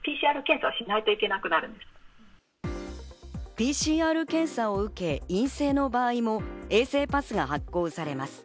ＰＣＲ検査を受け、陰性の場合も衛生パスが発行されます。